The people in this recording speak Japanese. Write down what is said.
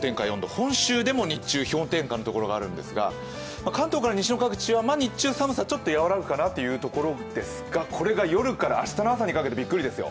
本州でも日中、氷点下の所があるんですが関東から西の各地は日中、寒さはちょっと和らぐかなという感じなんですがこれが夜から明日の朝にかけて、びっくりですよ。